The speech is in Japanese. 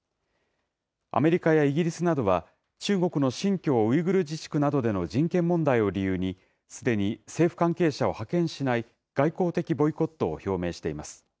アメリカやイギリスなどは、中国の新疆ウイグル自治区などでの人権問題を理由にすでに政府関係者を派遣しない外交的ボイコットを表明しています。